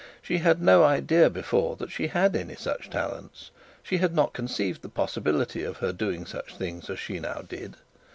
She had no idea before that she had any such talents. She had not conceived the possibility of her doing such things as she now did.